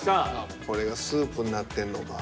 これがスープになってんのか。